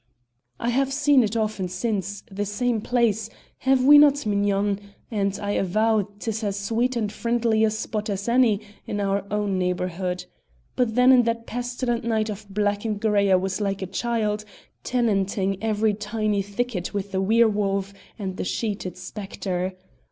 I have seen it often since the same place have we not, mignonne? and I avow 'tis as sweet and friendly a spot as any in our own neighbourhood; but then in that pestilent night of black and grey I was like a child, tenanting every tiny thicket with the were wolf and the sheeted spectre.